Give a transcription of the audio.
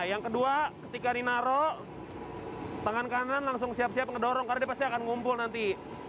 yang kedua ketika ditaruh tangan kanan langsung siap siap mendorong karena pasti akan mengumpul nanti